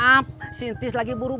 mam kita mau makan dulu ga